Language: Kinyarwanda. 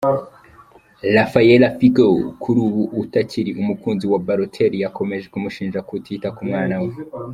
Raffaella Fico, kuri ubu utakiri umukunzi wa Balotelli, yakomeje kumushinja kutita ku mwana we.